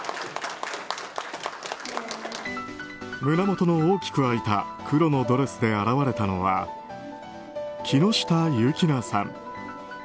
胸元の大きく開いた黒のドレスで現れたのは木下優樹菜さん。